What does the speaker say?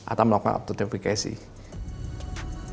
atau melakukan up to notification